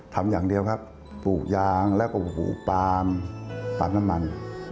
ทำอย่างเดียวครับปลูกยางแล้วก็ปาล์มปาดน้ำมัน